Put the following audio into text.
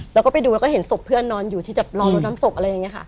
แล้วก็ไปดูแล้วก็เห็นศพเพื่อนนอนอยู่ที่แบบรอรถน้ำศพอะไรอย่างนี้ค่ะ